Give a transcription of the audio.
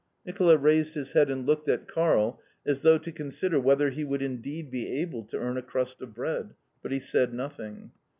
Nicola raised his head and looked at Karl as though to consider whether he would indeed be able to earn a crust of bread, but he said nothing.